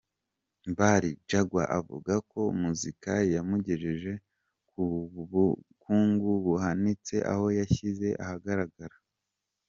mbali, Jaguar avuga ko muzika yamugejeje ku bukungu buhanitse aho yashyize ahagaragara.